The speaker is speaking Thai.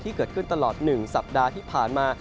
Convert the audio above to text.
ที่เกิดขึ้นตลอด๑สัปดาห์ที่ผ่านมา